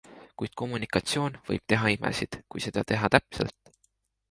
Kuid kommunikatsioon võib teha imesid, kui seda teha täpselt.